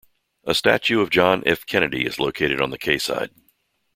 A statue of John F. Kennedy is located on the quayside.